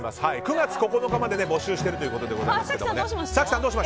９月９日まで募集しているということです。